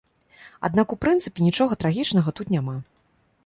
Аднак у прынцыпе нічога трагічнага тут няма.